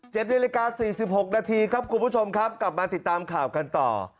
เจ็บในละกาศ๔๖นาทีครับคุณผู้ชมครับกลับมาติดตามข่าวกันต่อ